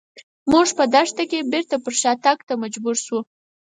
موږ په دښته کې بېرته پر شاتګ ته مجبور شوو.